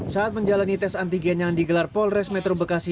saat menjalani tes antigen yang digelar polres metro bekasi